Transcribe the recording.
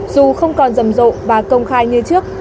dù không còn rầm rộ và công khai như trước